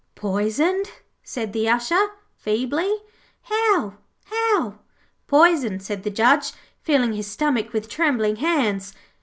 'Poisoned,' said the Usher, feebly. 'How, how?' 'Poisoned,' said the Judge, feeling his stomach with trembling hands.